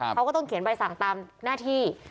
เขาก็ต้องเขียนใบสั่งตามหน้าที่